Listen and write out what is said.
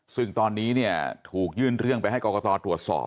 ซึ่งตอนนี้เนี่ยถูกยื่นเรื่องไปให้กรกตตรวจสอบ